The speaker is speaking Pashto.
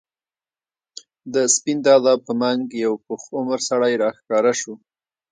د سپين دادا په منګ یو پوخ عمر سړی راښکاره شو.